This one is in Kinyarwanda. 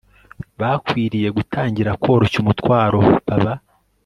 Bakwiriye gutangira kworoshya umutwaro baba